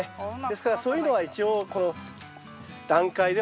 ですからそういうのは一応この段階では外して頂くと。